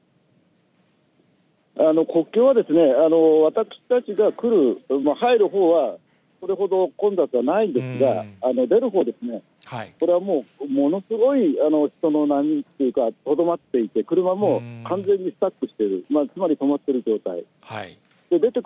国境は私たちが来る、入るほうは、それほど混雑はないんですが、出るほうですね、それはもう、ものすごい人の波というか、とどまっていて、車も完全にスタックしている、つまり止まっている状態ですね。